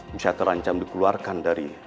bisa terancam dikeluarkan dari